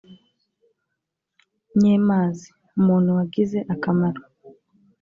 nyemazi: umuntu wagize akamaro